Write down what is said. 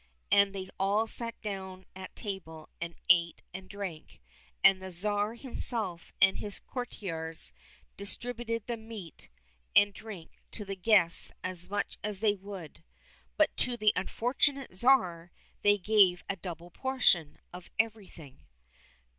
And they all sat down at table and ate and drank, and the Tsar himself and his courtiers distributed the meat and drink to the guests as much as they would, but to the unfortunate Tsar they gave a double portion of every thing.